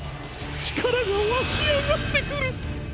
ちからがわきあがってくる！